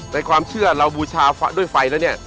ในความเชื่อเราบูชาด้วยไฟแล้วเนี่ย